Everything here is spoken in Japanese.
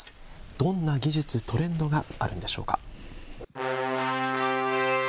どんな技術、トレンドがあるんでしょうか。